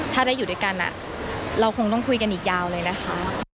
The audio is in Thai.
ถ้าได้อยู่ด้วยกันเราคงต้องคุยกันอีกยาวเลยนะคะ